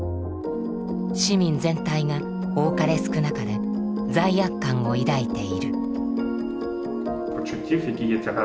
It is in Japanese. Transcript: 市民全体が多かれ少なかれ罪悪感を抱いている。